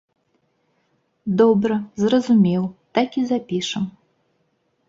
Добра, зразумеў, так і запішам.